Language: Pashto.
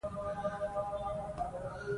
باران د افغانستان په اوږده تاریخ کې ذکر شوی دی.